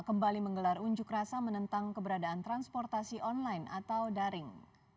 kembali menggelar unjuk rasa menentang keberadaan transportasi online atau daring